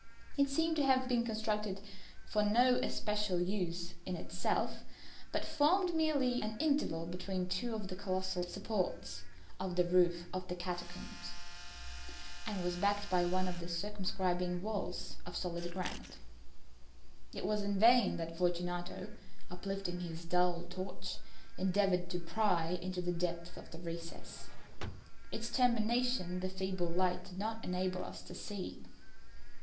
It seemed to have been constructed for no especial use within itself, but formed merely the interval between two of the colossal supports of the roof of the catacombs, and was backed by one of their circumscribing walls of solid granite. It was in vain that Fortunato, uplifting his dull torch, endeavoured to pry into the depth of the recess. Its termination the feeble light did not enable us to see.